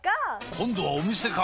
今度はお店か！